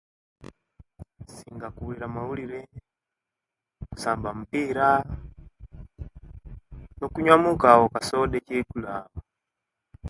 Nsonga kuulira maulira, kusamba mupira no kunyuwa muku awo kasoda ekyeigulo awo